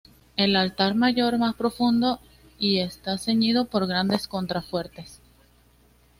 El altar mayor más profundo y está ceñido por grandes contrafuertes.